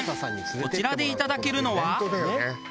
こちらでいただけるのは。